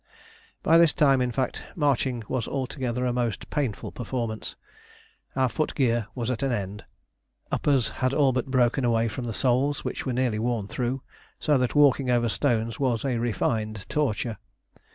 By this time, in fact, marching was altogether a most painful performance. Our footgear was at an end. Uppers had all but broken away from the soles, which were nearly worn through, so that walking over stones was a refined torture.